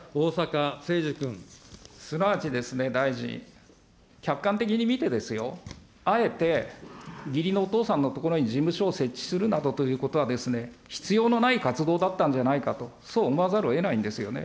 すなわち大臣、客観的に見てですよ、あえて義理のお父さんの所に事務所を設置するなどということは、必要のない活動だったんじゃないかと、そう思わざるをえないんですよ。